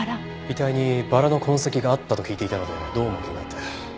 遺体にバラの痕跡があったと聞いていたのでどうも気になって。